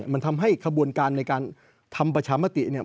มันทำให้กระบวนการในการทำประชามติ